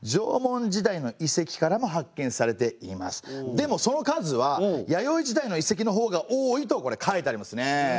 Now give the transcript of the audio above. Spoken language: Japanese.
でもその数は弥生時代の遺跡の方が多いとこれ書いてありますね。